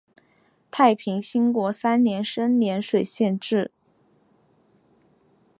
太平兴国三年升涟水县置。